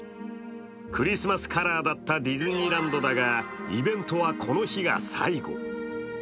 クリスマスカラーだったディズニーランドだが、イベントはこの日が最後。